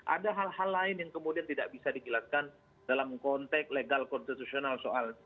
ada hal hal lain yang kemudian tidak bisa dijelaskan dalam konteks legal konstitusional soal